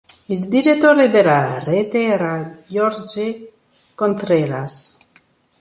Il direttore della rete era Jorge Contreras.